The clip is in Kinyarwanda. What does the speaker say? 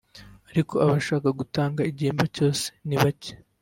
ariko abashaka gutanga igihimba cyose ni bake